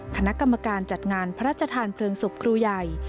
คณะกรรมการจัดงานพระราชทานเพลิงศพครูใหญ่